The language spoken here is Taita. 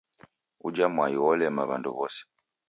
Ujha mwai wolema w'andu w'ose.